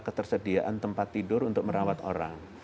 ketersediaan tempat tidur untuk merawat orang